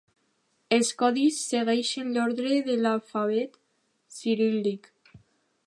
Els codis segueixen l'ordre de l'alfabet ciríl·lic.